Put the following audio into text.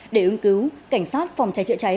để ứng cứu cảnh sát phòng cháy chữa cháy